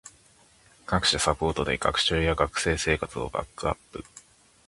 各種サポートで学習や学生生活をバックアップ